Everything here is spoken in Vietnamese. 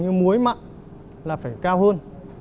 như muối mặn là phải cao hơn